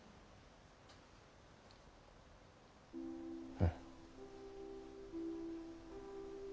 うん。